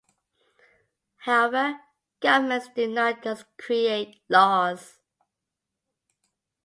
However, governments do not just create laws.